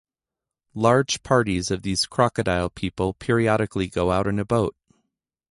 Large parties of these crocodile people periodically go out in a boat.